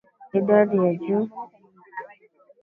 Idadi ya juu ya kupe baada ya msimu mrefu wa mvua